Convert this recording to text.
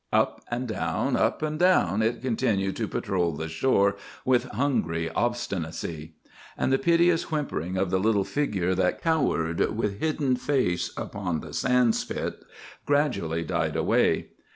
Up and down, up and down, it continued to patrol the shore with hungry obstinacy. And the piteous whimpering of the little figure that cowered, with hidden face upon the sand spit, gradually died away.